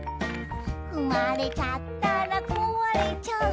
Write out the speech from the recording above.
「ふまれちゃったらこわれちゃう」